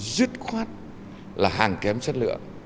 dứt khoát là hàng kém chất lượng